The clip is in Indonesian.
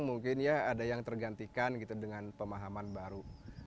mungkin ya ada yang tergantikan gitu dengan pemahaman baru